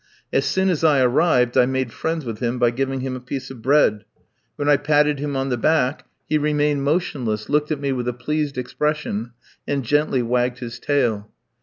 As soon as I arrived I made friends with him by giving him a piece of bread. When I patted him on the back he remained motionless, looked at me with a pleased expression, and gently wagged his tail.